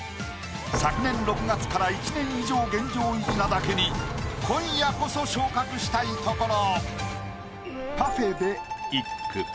昨年６月から１年以上現状維持なだけに今夜こそ昇格したいところ。